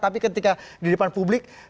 tapi ketika di depan publik